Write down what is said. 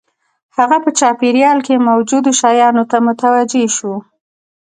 هغه په چاپېريال کې موجودو شیانو ته متوجه شو